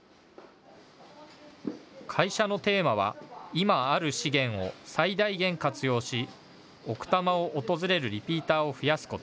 会社のテーマは今ある資源を最大限活用し奥多摩を訪れるリピーターを増やすこと。